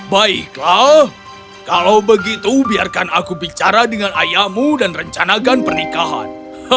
baiklah kalau begitu biarkan aku bicara dengan ayahmu dan rencanakan pernikahan